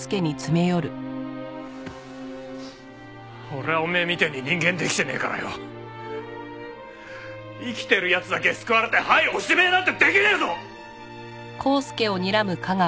俺はおめえみてえに人間できてねえからよ生きてる奴だけ救われてはいおしめえなんてできねえぞ！